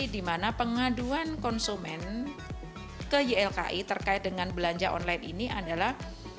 di mana pengaduan konsumen ke ylki terkait dengan belanja online ini adalah